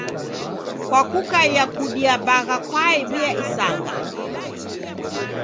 Kwa kukaia kudia bagha kwaew'ia isanga.